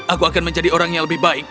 aku akan menjadi orang yang lebih baik